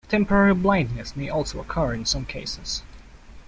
Temporary blindness may also occur in some cases.